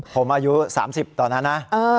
ผมอายุ๓๐ตอนนั้นนะ